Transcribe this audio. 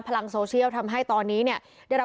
พลังโซเชียลทำให้ตอนนี้เนี่ยได้รับ